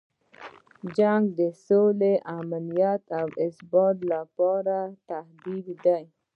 جنګ د سولې، امنیت او ثبات لپاره تهدید دی.